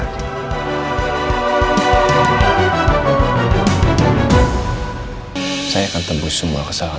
nanti kita alumini di rumah itu apaan sih kita